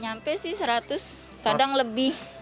nyampe sih seratus kadang lebih